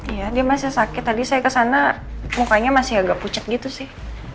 ya dia masih sakit tadi saya kesana mukanya masih agak pucet gitu sih